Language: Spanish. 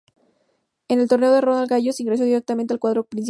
En el Torneo de Roland Garros ingresó directamente al cuadro principal.